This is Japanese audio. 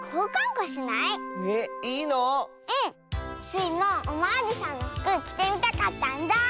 スイもおまわりさんのふくきてみたかったんだ。